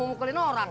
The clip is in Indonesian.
ah kepo nih pak haji